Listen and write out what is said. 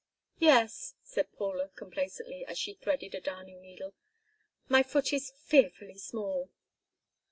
"Yes," said Paula, complacently, as she threaded a darning needle. "My foot is quite fearfully small."